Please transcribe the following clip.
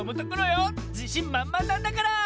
じしんまんまんなんだから！